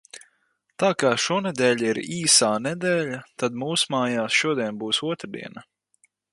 Tā kā šonedēļ ir īsā nedēļā, tad mūsmājās šodien būs otrdiena.